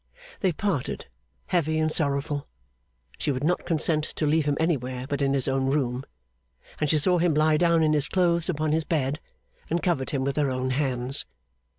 They parted, heavy and sorrowful. She would not consent to leave him anywhere but in his own room, and she saw him lie down in his clothes upon his bed, and covered him with her own hands.